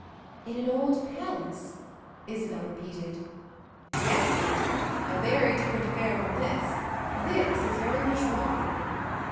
"In an old palace?" Isabel repeated. "Yes, my dear; a very different affair from this. This is very bourgeois."